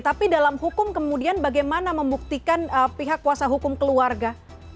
tapi dalam hukum kemudian bagaimana membuktikan pihak kuasa hukum keluarga